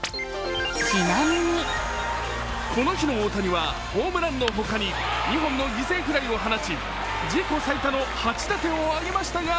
この日の大谷はホームランのほかに２本の犠牲フライを放ち自己最多の８打点を挙げましたが、